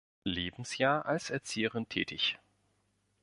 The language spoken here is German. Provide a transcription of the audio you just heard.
Lebensjahr als Erzieherin tätig.